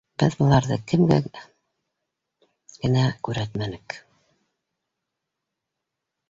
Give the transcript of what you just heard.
Беҙ быларҙы кемгә генә маҡтанып күрһәтмәнек.